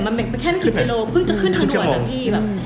มันแค่นักกิจกิริดพึ่งจะขึ้นทางดับอยู่แบบอี